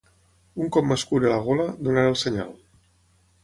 Un cop m'escuri la gola, donaré el senyal.